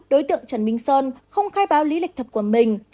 đối tượng trần minh sơn không khai báo lý lịch thật của mình